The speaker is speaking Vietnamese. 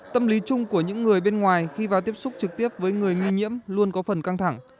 tâm lý chung của những người bên ngoài khi vào tiếp xúc trực tiếp với người nghi nhiễm luôn có phần căng thẳng